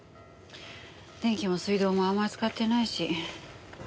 電気も水道もあんまり使ってないし。